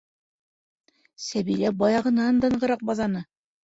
Сәбилә баяғынан да нығыраҡ баҙаны: